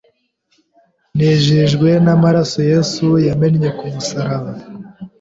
Nejejwe n’amaraso Yesu yamennye ku musaraba